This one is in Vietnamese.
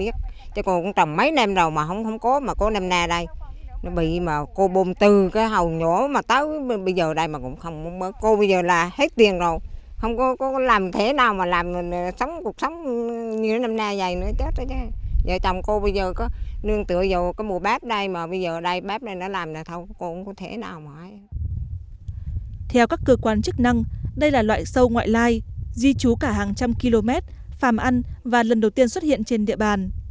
theo các cơ quan chức năng đây là loài sâu ngoại lai di trú cả hàng trăm km phàm ăn và lần đầu tiên xuất hiện trên địa bàn